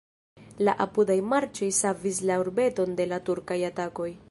La apudaj marĉoj savis la urbeton de la turkaj atakoj.